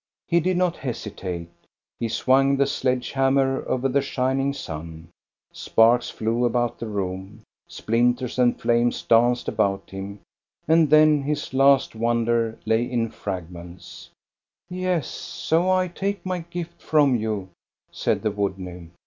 He did not hesitate. He swung the sledge hammer over the shining sun ; sparks flew about the room, splinters and flames danced about him, and then his last wonder lay in fragments. 428 THE STORY OF GOSTA BERLING " Yes, so I take my gift from you," said the wood nymph.